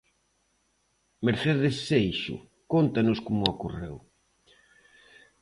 Mercedes Seixo, cóntanos como ocorreu?